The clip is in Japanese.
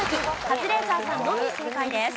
カズレーザーさんのみ正解です。